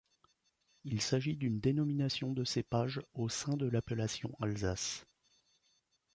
Il s'agit d'une dénomination de cépage au sein de l'appellation alsace.